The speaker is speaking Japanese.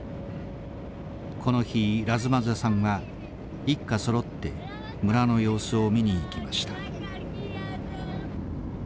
この日ラズマゼさんは一家そろって村の様子を見にいきました。